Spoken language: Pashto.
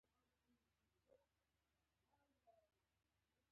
دواړه څنګ په څنګ ودرېدلو.